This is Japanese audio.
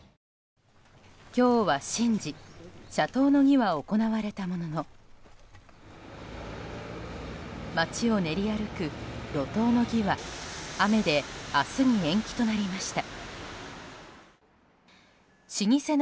今日は神事、社頭の儀は行われたものの街を練り歩く路頭の儀は雨で明日に延期となりました。